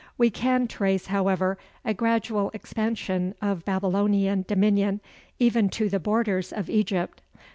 We can trace, however, a gradual expansion of Babylonian dominion, even to the borders of Egypt.